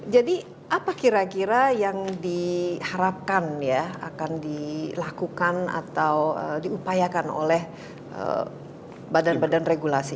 jadi apa kira kira yang diharapkan ya akan dilakukan atau diupayakan oleh badan badan regulasi